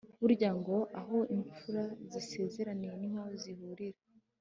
Burya ngo " aho imfura zisezeraniye niho zihurira”